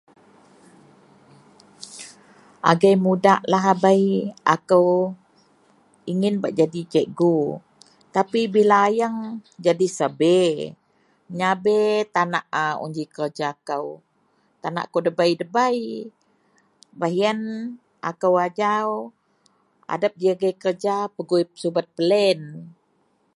agei mudak lahabei akou ingin bak jadi cikgu tapi bila ayeng jadi survey, meyurvey tanak a un ji kerja kou, tanak kou debei, debei baih ien akou ajau adep ji agei kerja pegui subet plan